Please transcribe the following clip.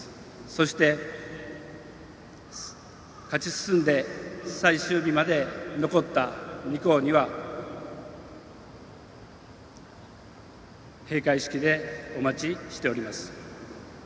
そして、勝ち進んで最終日まで残った２校には閉会式でお待ちしております。